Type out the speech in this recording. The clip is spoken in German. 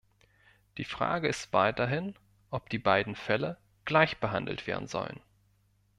Die Frage ist weiterhin, ob die beiden Fälle gleichbehandelt werden sollen.